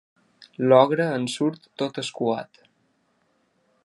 L'ogre en surt tot escuat.